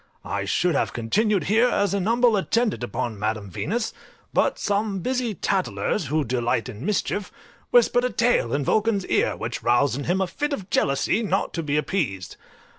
I should have continued here as an humble attendant upon Madam Venus, but some busy tattlers, who delight in mischief, whispered a tale in Vulcan's ear, which roused in him a fit of jealousy not to be appeased.